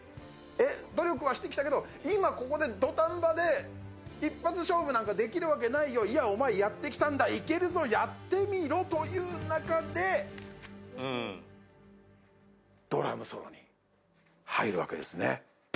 努力はしてきたけど、でもここで土壇場で一発勝負なんかできるわけないよ、いや、お前やってきたんだ、いけるぞ、やってみろという中でドラムソロに入るわけですね。